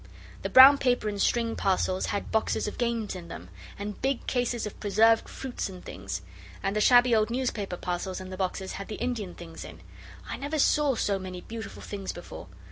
The brown paper and string parcels had boxes of games in them and big cases of preserved fruits and things. And the shabby old newspaper parcels and the boxes had the Indian things in. I never saw so many beautiful things before.